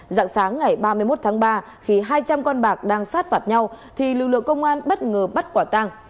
dạng sáng ngày ba mươi một tháng ba khi hai trăm linh con bạc đang sát phạt nhau thì lực lượng công an bất ngờ bắt quả tang